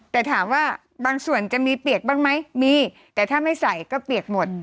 แต่ถามว่าบางส่วนจะมีเปียกบ้างไหมมีแต่ถ้าไม่ใส่ก็เปียกหมด